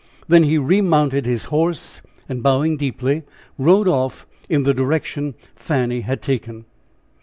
Then he remounted his horse, and bowing deeply, rode off in the direction Fanny had taken.